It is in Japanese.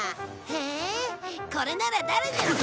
へえこれなら誰でも。